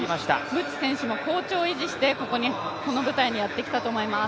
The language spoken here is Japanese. ムッチ選手も好調を維持してこの舞台にやってきたと思います。